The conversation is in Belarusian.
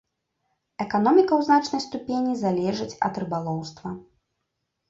Эканоміка ў значнай ступені залежыць ад рыбалоўства.